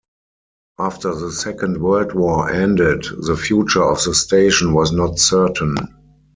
After the Second World War ended, the future of the station was not certain.